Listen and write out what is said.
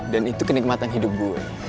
dan itu kenikmatan hidup gue